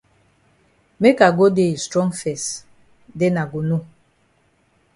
Make I go dey yi strong fes den I go know.